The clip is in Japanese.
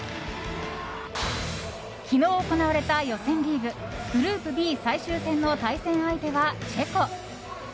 昨日行われた予選リーググループＢ最終戦の対戦相手はチェコ。